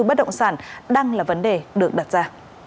bất động sản đang là vấn đề được đặt ra